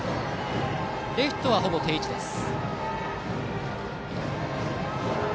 レフトは、ほぼ定位置です。